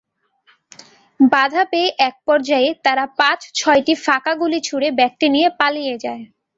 বাধা পেয়ে একপর্যায়ে তারা পাঁচ-ছয়টি ফাঁকা গুলি ছুড়ে ব্যাগটি নিয়ে পালিয়ে যায়।